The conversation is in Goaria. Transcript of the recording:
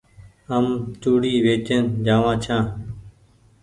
هم چوڙي وچيئن جآ وآن ڇآن ۔